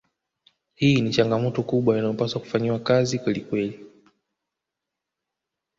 Hii ni changamoto kubwa inayopaswa kufanyiwa kazi kwelikweli